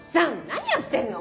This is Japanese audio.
何やってんの？